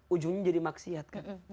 ujungnya jadi maksiat